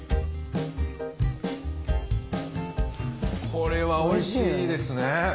これはおいしいですね。